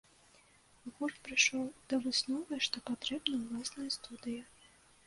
Гурт прыйшоў да высновы, што патрэбна ўласная студыя.